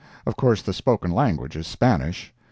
Of course the spoken language is Spanish.